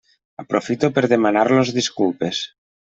Aprofito per a demanar-los disculpes.